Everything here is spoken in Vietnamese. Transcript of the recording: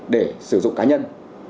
để sử dụng cá nhân